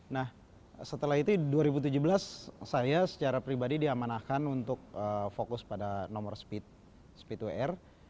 nah setelah itu dua ribu tujuh belas saya secara pribadi diamanakan untuk fokus pada nomor speed speed to air